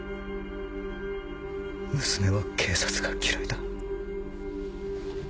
娘は警察が嫌いだ。